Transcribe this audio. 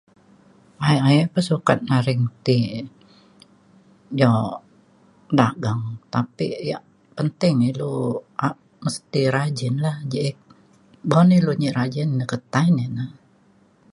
Ae ae pa sukat nyaring ti jok dagang. Tapi yak penting ilu a- mesti rajin lah jek. Buk na ilu nyi rajin ketai ne na